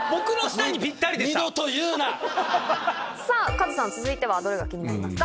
カズさんどれが気になりますか？